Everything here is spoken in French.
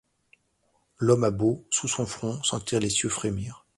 L’homme a beau. sous son front sentir les cieux frémir